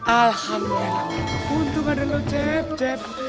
alhamdulillah untung ada lo cep cep